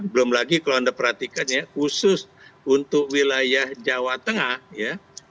belum lagi kalau anda perhatikan ya khusus untuk wilayah jawa tengah ya